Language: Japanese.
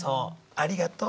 ありがとう。